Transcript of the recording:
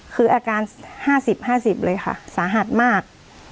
คืออาการ๕๐๕๐เลยค่ะสาหัสมาก